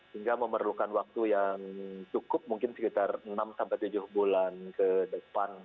sehingga memerlukan waktu yang cukup mungkin sekitar enam sampai tujuh bulan ke depan